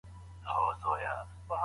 بې حسه مه اوسئ.